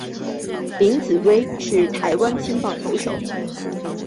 林子崴是台湾青棒投手。